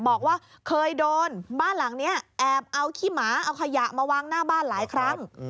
บอกว่าเคยโดนบ้านหลังนี้แอบเอาขี้หมาเอาขยะมาวางหน้าบ้านหลายครั้ง